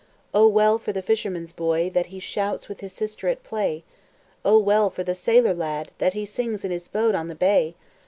O well for the fisherman's boy, That he shouts with his sister at play! O well for the sailor lad, That he sings in his boat on the bay!